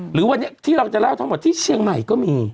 หรือวันนี้ที่เราจะเล่าทั้งหมดที่เชียงใหม่ก็มี